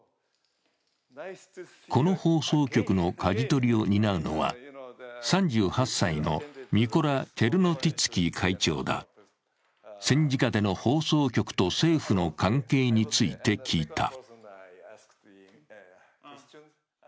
この放送局のかじ取りを担うのは３８歳のミコラ・チェルノティツキー会長だ戦時下での放送局と政府の関係について聞いた。